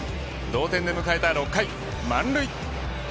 同点で迎えた６回、満塁。